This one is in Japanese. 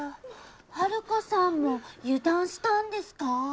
ハルコさんも油断したんですかー？